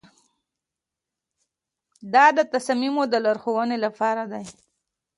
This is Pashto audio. دا د تصامیمو د لارښوونې لپاره دی.